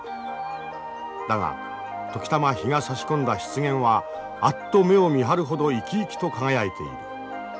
だが時たま日がさし込んだ湿原はあっと目をみはるほど生き生きと輝いている。